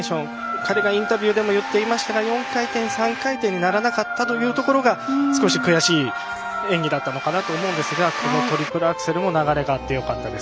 彼がインタビューでも言っていましたが４回転、３回転にならなかったので少し悔しい演技だったのかなと思うんですがトリプルアクセルも流れがあってよかったです。